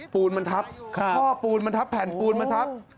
ปูนมันทับท่อปูนมันทับแผ่นปูนมาทับ